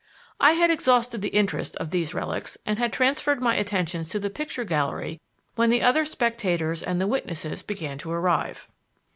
I had exhausted the interest of these relics and had transferred my attentions to the picture gallery when the other spectators and the witnesses began to arrive.